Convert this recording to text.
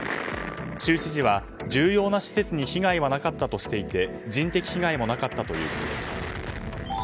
州知事は、重要な施設に被害はなかったとしていて人的被害もなかったということです。